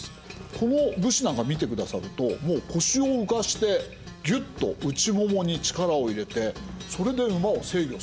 この武士なんか見てくださるともう腰を浮かしてぎゅっと内ももに力を入れてそれで馬を制御してるんですね。